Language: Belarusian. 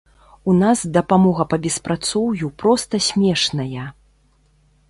У нас дапамога па беспрацоўю проста смешная.